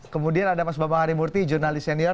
kemudian ada mas bambang harimurti jurnalis senior